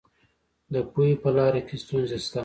د پوهې په لاره کې ستونزې شته.